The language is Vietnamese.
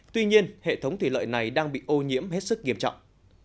tuy nhiên hệ thống thủy lợi này đang bị ô nhiễm hết sức nghiêm trọng